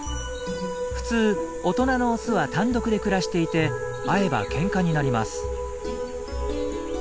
普通大人のオスは単独で暮らしていて会えばケンカになります。